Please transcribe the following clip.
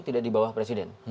tidak di bawah presiden